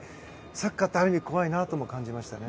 サッカーってある意味怖いなとも感じました。